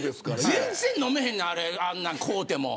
全然飲めへんねんあんなん買うても。